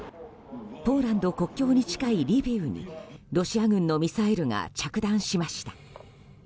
ポーランド国境に近いリビウにロシア軍のミサイルが着弾しました。